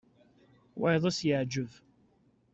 Wayeḍ ad s-yeɛǧeb.